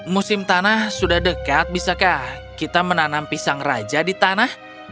musim tanah sudah dekat bisakah kita menanam pisang raja di tanah